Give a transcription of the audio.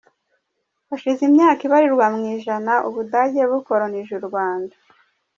Hashize imyaka ibarirwa mu ijana u Budage bukoronije u Rwanda.